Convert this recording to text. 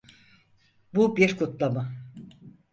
Bu bir kutlama.